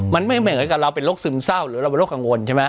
มันไม่เหมือนกับเราเป็นโรคซึมเศร้าหรือเราเป็นโรคกังวลใช่ไหม